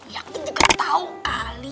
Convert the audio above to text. ya aku juga tahu kali